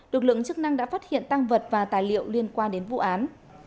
lực lượng chức năng đã phát hiện tăng vật và tài liệu liên quan đến vụ án